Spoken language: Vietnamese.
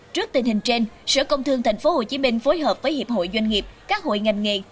trước tình hình trên sở công thương tp hcm phối hợp với hiệp hội doanh nghiệp các hội ngành nghề